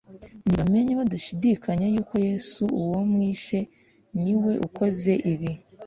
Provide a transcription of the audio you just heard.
nibamenye badashidikanya yuko Yesu uwo mwishe niwe ukoze ibi